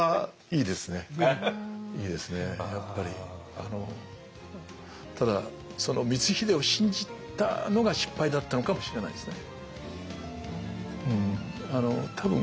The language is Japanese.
あのただその光秀を信じたのが失敗だったのかもしれないですね。